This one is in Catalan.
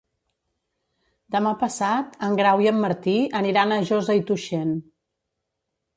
Demà passat en Grau i en Martí aniran a Josa i Tuixén.